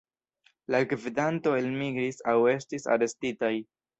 La gvidantoj elmigris aŭ estis arestitaj.